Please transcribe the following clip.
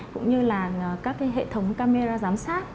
cũng như là các hệ thống camera giám sát